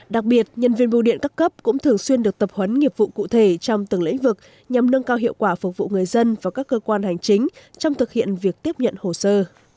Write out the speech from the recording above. đặc biệt nhân viên bưu điện các cấp cũng thường xuyên được tập huấn nghiệp vụ cụ thể trong từng lĩnh vực nhằm nâng cao hiệu quả phục vụ người dân và các cơ quan hành chính trong thực hiện việc tiếp nhận hồ sơ